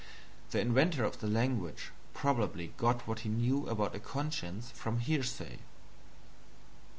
The inventor of the language probably got what he knew about a conscience from hearsay.